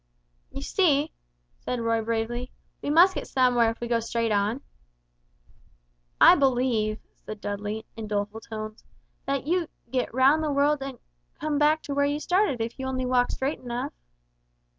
"You see," said Roy, bravely; "we must get somewhere if we go straight on." "I believe," said Dudley, in doleful tones; "that you get right round the world and come back to where you started, if you only walk straight enough!"